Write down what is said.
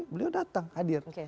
beliau datang hadir